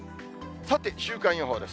さて、週間予報です。